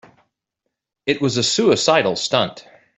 It was a suicidal stunt.